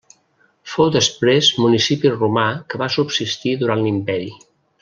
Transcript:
Fou després municipi romà que va subsistir durant l'imperi.